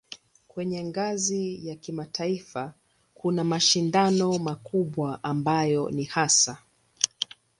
Kwenye ngazi ya kimataifa kuna mashindano makubwa ambayo ni hasa